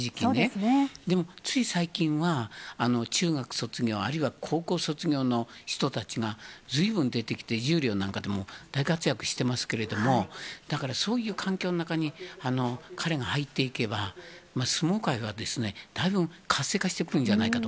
でも、つい最近は中学卒業、あるいは高校卒業の人たちがずいぶん出てきて、十両なんかでも大活躍してますけれども、だからそういう環境の中に彼が入っていけば、相撲界はだいぶ活性化してくるんじゃないかと。